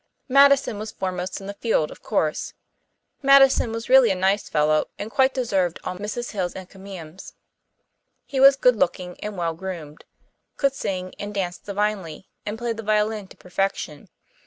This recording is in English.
Madison was foremost in the field, of course. Madison was really a nice fellow, and quite deserved all Mrs. Hill's encomiums. He was good looking and well groomed could sing and dance divinely and play the violin to perfection.